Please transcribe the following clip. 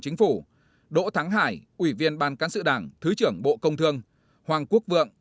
chính phủ đỗ thắng hải ủy viên ban cán sự đảng thứ trưởng bộ công thương hoàng quốc vượng